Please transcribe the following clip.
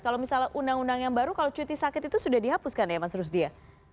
kalau misalnya undang undang yang baru kalau cuti sakit itu sudah dihapuskan ya mas rusdi ya